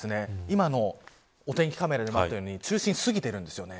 今、お天気カメラにあったように中心を過ぎているんですよね。